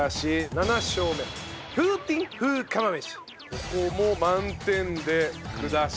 ここも満点で下し。